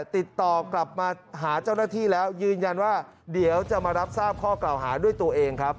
ติดต่อกลับมาหาเจ้าหน้าที่แล้วยืนยันว่าเดี๋ยวจะมารับทราบข้อกล่าวหาด้วยตัวเองครับ